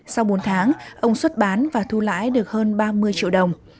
sau bốn tháng ông xuất bán và thu lãi được hơn ba mươi triệu đồng